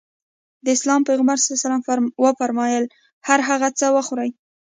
د اسلام پيغمبر ص وفرمايل هر هغه څه وخورې.